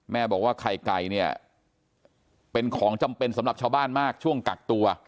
แม่บอกว่าไข่ไก่เนี่ยเป็นของจำเป็นสำหรับชาวบ้านมากช่วงกักตัว